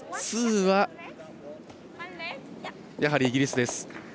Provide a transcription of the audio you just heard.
ツーは、やはりイギリスです。